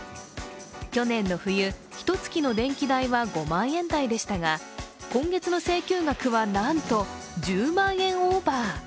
去年の冬、ひと月の電気代は５万円台でしたが今月の請求額はなんと１０万円オーバー。